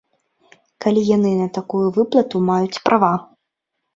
Калі яны на такую выплату маюць права.